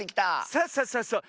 そうそうそうそう。